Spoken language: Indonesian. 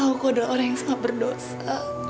aku tau kau adalah orang yang sangat berdosa